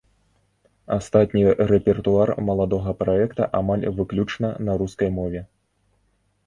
Астатні рэпертуар маладога праекта амаль выключна на рускай мове.